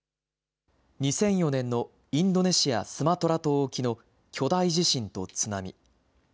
２００４年のインドネシア・スマトラ島沖の巨大地震と津波。